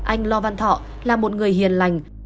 anh lo văn thọ là một người hiền lành